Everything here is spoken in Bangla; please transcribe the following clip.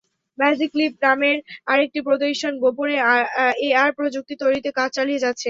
ম্যাজিক লিপ নামের আরেকটি প্রতিষ্ঠান গোপনে এআর প্রযুক্তি তৈরিতে কাজ চালিয়ে যাচ্ছে।